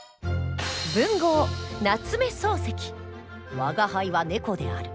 「吾輩は猫である」